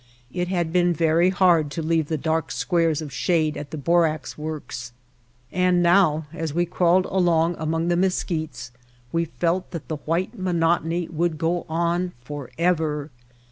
It had been very hard to leave the dark squares of shade at the borax works, and now as we crawled along among the mesquites we felt that the white monotony would go on forever.